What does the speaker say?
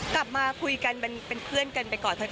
กลับมาคุยกันเป็นเพื่อนกันไปก่อน